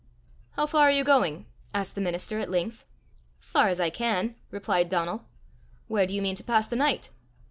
"How far are you going?" asked the minister at length. "As far as I can," replied Donal. "Where do you mean to pass the night?"